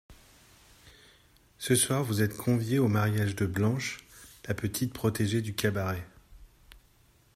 Ce soir, vous êtes conviés au mariage de Blanche, la petite protégée du Cabaret.